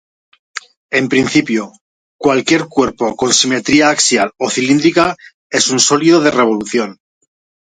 En principio, cualquier cuerpo con simetría axial o cilíndrica es un sólido de revolución.